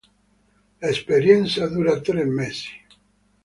L'esperienza dura tre mesi.